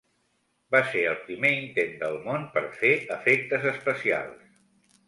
Va ser el primer intent del món per fer efectes especials.